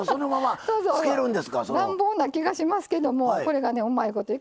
乱暴な気がしますけどもこれがねうまいこといくんですわ。